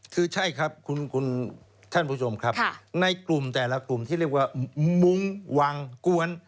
คือใช่ครับคุณท่านผู้ชมครับในกลุ่มแต่ละกลุ่มที่เรียกว่ามุ้งวังกวน